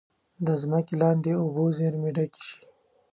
د ځمکې لاندې اوبو زیرمې ډکې شي.